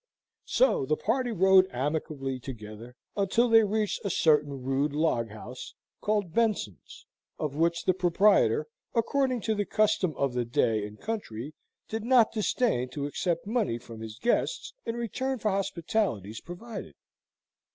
So the party rode amicably together, until they reached a certain rude log house, called Benson's, of which the proprietor, according to the custom of the day and country, did not disdain to accept money from his guests in return for hospitalities provided.